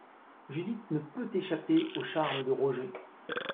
Judith ne peut échapper au charme de Roger.